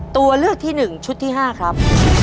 ตัวเลือกที่๑ชุดที่๕ครับ